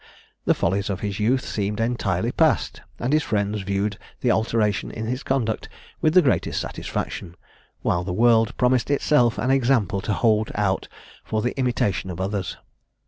The follies of his youth seemed entirely past, and his friends viewed the alteration in his conduct with the greatest satisfaction; while the world promised itself an example to hold out for the imitation of others.